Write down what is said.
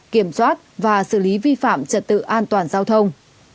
kiểm soát và xử lý vi phạm trật tự an toàn giao thông